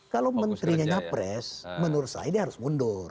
kalau menterinya nyapres menurut saya dia harus mundur